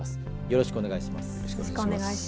よろしくお願いします。